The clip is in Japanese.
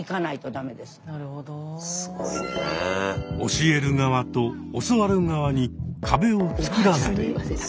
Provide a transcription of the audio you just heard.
教える側と教わる側に壁を作らない。